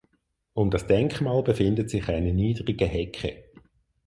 Um das Denkmal befindet sich eine niedrige Hecke.